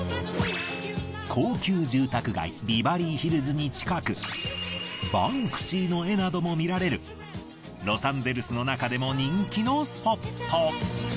高級住宅街バンクシーの絵なども見られるロサンゼルスのなかでも人気のスポット。